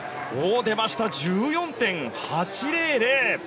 出ました、１４．８００！